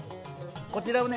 こちらはね